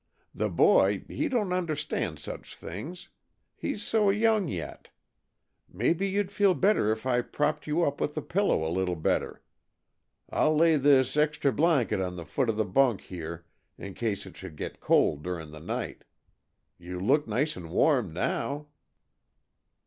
"The boy, he don't understand such things, he's so young yet. Maybe you'd feel better if I propped you up with the pillow a little better. I'll lay this extry blanket on the foot of the bunk here in case it should get cold during the night. You look nice and warm now."